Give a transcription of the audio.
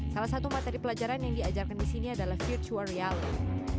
salah satu materi pelajaran yang diajarkan di sini adalah virtual reality